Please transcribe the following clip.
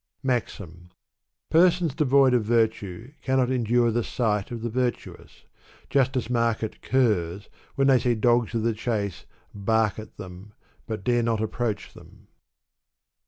BfAXIM. PerscNis devoid of virtue cannot endure the sight of the virtuous ; just as market curs, when they see dogs of the chase, bark at them, but dare not approach them.